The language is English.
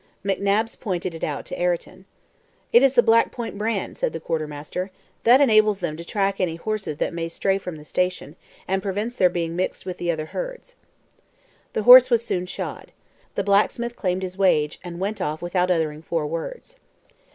McNabbs pointed it out to Ayrton. "It is the Black Point brand," said the quartermaster. "That enables them to track any horses that may stray from the station, and prevents their being mixed with other herds." The horse was soon shod. The blacksmith claimed his wage, and went off without uttering four words.